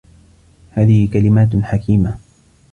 هذه كلمات حكيمة.